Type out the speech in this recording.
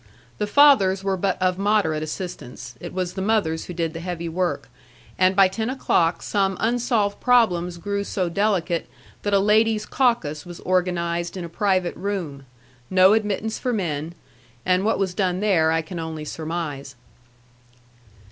The fathers were but of moderate assistance; it was the mothers who did the heavy work; and by ten o'clock some unsolved problems grew so delicate that a ladies' caucus was organized in a private room, no admittance for men, and what was done there I can only surmise.